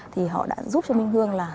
thì họ đã giúp cho minh hương là